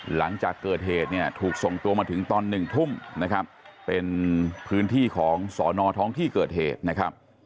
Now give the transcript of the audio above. หลังจากเกิดเหตุเนี่ยถูกส่งตัวมาถึงตอน๑ทุ่มนะครับเป็นพื้นที่ของสอนอท้องที่เกิดเหตุนะครับ